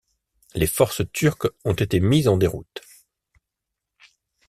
Les forces turques ont été mises en déroute.